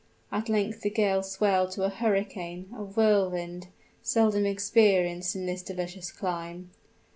At length the gale swelled to a hurricane a whirlwind, seldom experienced in this delicious clime.